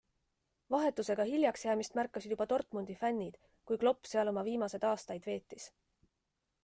Vahetusega hiljaks jäämist märkasid juba Dortmundi fännid, kui Klopp seal oma viimased aastaid veetis.